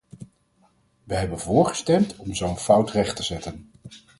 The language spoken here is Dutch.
Wij hebben voor gestemd om zo een fout recht te zetten.